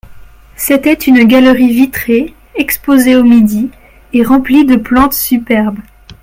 C’était une galerie vitrée, exposée au midi, et remplie de plantes superbes.